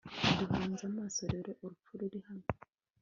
duhanze amaso rero - urupfu ruri hano